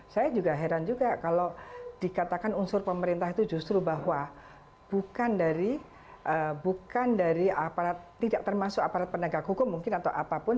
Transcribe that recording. saya juga heran juga kalau dikatakan unsur pemerintah itu justru bahwa bukan dari bukan dari aparat tidak termasuk aparat penegak hukum mungkin atau apapun